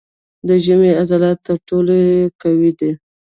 د ژامې عضلات تر ټولو قوي دي.